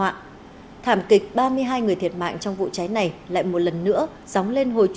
cháy do hàn xì